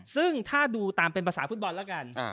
ซึ่งถ้าดูตามเป็นภาษาฟุตบอลแล้วกัน